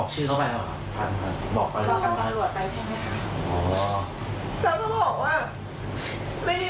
เพราะปริมไม่ได้มีอีกพวกอะไร